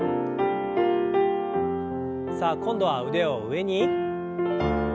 さあ今度は腕を上に。